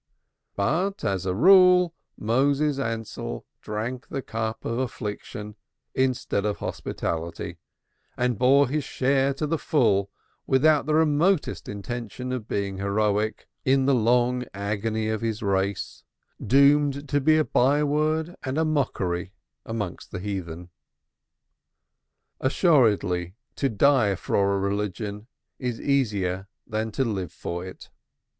But, as a rule, Moses Ansell drank the cup of affliction instead of hospitality and bore his share to the full, without the remotest intention of being heroic, in the long agony of his race, doomed to be a byword and a mockery amongst the heathen. Assuredly, to die for a religion is easier than to live for it.